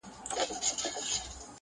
هغه ستا د ابا مېنه تالا سوې!.